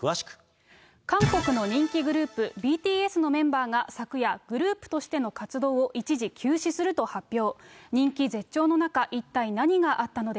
韓国の人気グループ、ＢＴＳのメンバーが昨夜、グループとしての活動を一時休止すると発表。